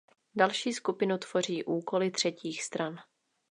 Další skupinu tvoří úkoly třetích stran.